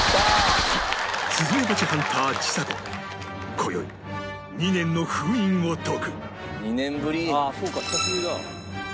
今宵２年の封印を解く